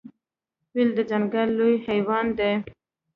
فیل د ځنګل لوی حیوان دی.